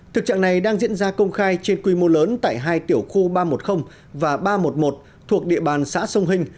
thực trạng này đang diễn ra công khai trên quy mô lớn tại hai tiểu khu ba trăm một mươi và ba trăm một mươi một thuộc địa bàn xã sông hình